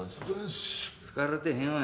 疲れてへんわ。